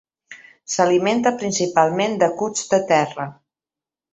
S'alimenta principalment de cucs de terra.